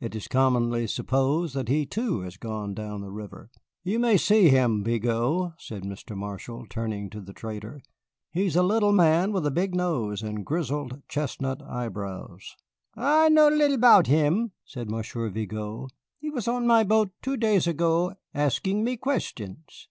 It is commonly supposed that he, too, has gone down the river. You may see him, Vigo," said Mr. Marshall, turning to the trader; "he is a little man with a big nose and grizzled chestnut eyebrows." "Ah, I know a lil 'bout him," said Monsieur Vigo; "he was on my boat two days ago, asking me questions."